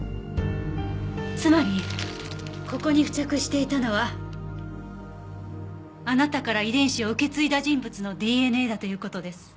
つまりここに付着していたのはあなたから遺伝子を受け継いだ人物のＤＮＡだという事です。